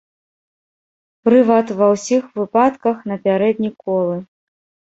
Прывад ва ўсіх выпадках на пярэдні колы.